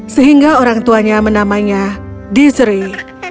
sehingga orang tuanya menamanya dizrei